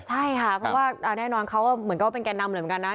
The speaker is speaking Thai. ใช่ค่ะเพราะว่าแน่นอนเขาก็เหมือนก็เป็นแก่นำเลยเหมือนกันนะ